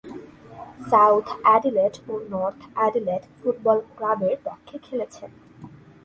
South Adelaide ও North Adelaide football ক্লাবের পক্ষে খেলেছেন।